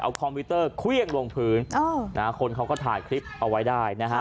คอมพิวเตอร์เครื่องลงพื้นคนเขาก็ถ่ายคลิปเอาไว้ได้นะฮะ